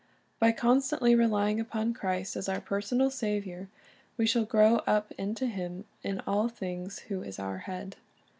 "^ By constantly relying upon Christ as our personal Saviour, we shall grow up into Him in all things who is our head.